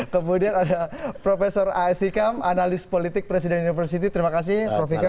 kemudian ada profesor a s ikam analis politik presiden university terima kasih prof ikam